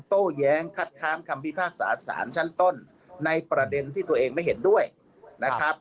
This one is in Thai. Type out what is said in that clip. โต้แย้งคัดค้านคำพิพากษาสารชั้นต้นในประเด็นที่ตัวเองไม่เห็นด้วยนะครับ